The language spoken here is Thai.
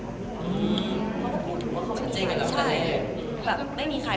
เขาพูดอยู่ว่าเขาไม่มีใคร